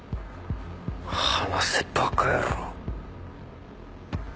離せバカ野郎。